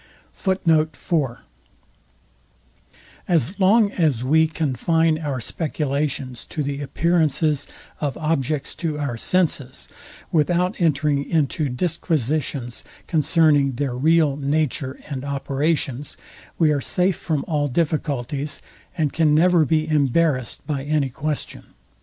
As long as we confine our speculations to the appearances of objects to our senses, without entering into disquisitions concerning their real nature and operations, we are safe from all difficulties, and can never be embarrassed by any question.